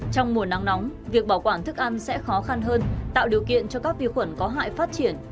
trong mùa nắng nóng việc bảo quản thức ăn sẽ khó khăn hơn tạo điều kiện cho các vi khuẩn có hại phát triển